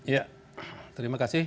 ya terima kasih